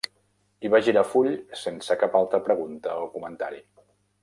I va girar full sense cap altra pregunta o comentari.